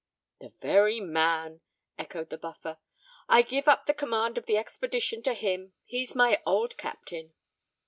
"The very man," echoed the Buffer. "I give up the command of the expedition to him: he's my old captain."